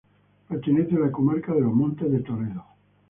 Pertenece a la Comarca de los Montes de Toledo.